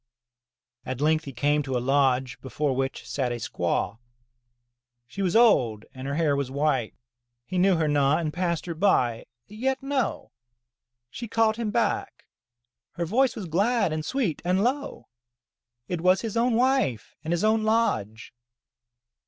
At length he came to a lodge before which sat a squaw. She was old and her hair was white. He knew her not and passed her by, yet no! She called him back. Her voice was glad and sweet, and lo! it was his own wife and his own lodge!